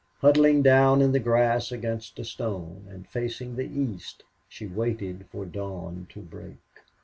Huddling down in the grass against a stone, and facing the east, she waited for dawn to break.